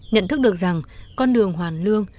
nhận thức được rằng con đường hoàn lương